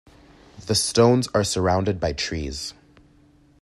The stones are surrounded by trees.